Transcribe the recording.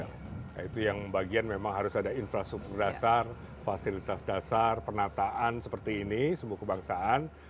nah itu yang bagian memang harus ada infrastruktur dasar fasilitas dasar penataan seperti ini sumbu kebangsaan